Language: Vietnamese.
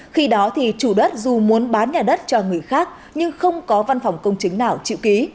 khi đó thì chủ đất dù muốn bán nhà đất cho người khác nhưng không có văn phòng công chứng nào chịu ký